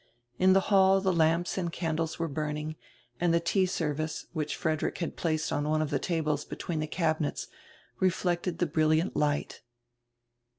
In die hall die lamps and candles were burning, and the tea service, which Frederick had placed on one of die tables between die cabinets, reflected die brilliant light.